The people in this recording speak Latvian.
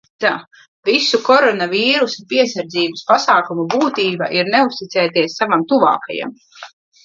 Visu koronavīrusa piesardzības pasākumu būtība ir neuzticēties savam tuvākajam.